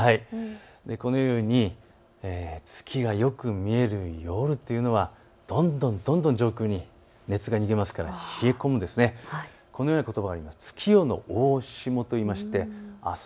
このように月がよく見える夜というのはどんどんどんどん上空に熱が逃げますから冷え込みます。